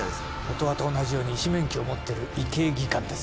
音羽と同じように医師免許を持ってる医系技官です